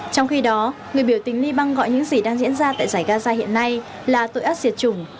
trong khi đó người biểu tình liban gọi những gì đang diễn ra tại giải gaza hiện nay là tội ác diệt chủng